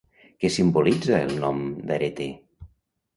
Què simbolitza el nom d'Areté?